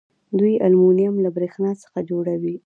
دوی المونیم له بریښنا څخه جوړوي.